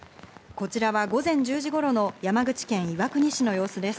こちらは午前１０時頃の山口県岩国市の様子です。